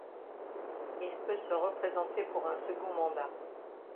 Il peut se représenter pour un second mandat.